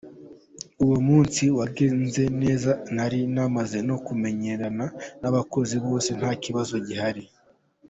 Uwo munsi wagenze neza nari namaze no kumenyerana n’abakozi bose nta kibazo gihari.